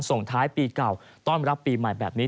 ส่งท้ายปีเก่าต้อนรับปีใหม่แบบนี้